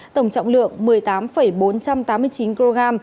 tổng trọng lượng một mươi tám bốn trăm tám mươi chín kg